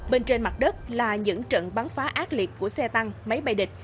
bên trên mặt đất là những trận bắn phá ác liệt của xe tăng máy bay địch